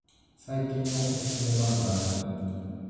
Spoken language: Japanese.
最近のおすすめマンガはなに？